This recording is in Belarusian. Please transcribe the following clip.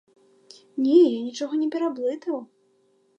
Не, я нічога не пераблытаў.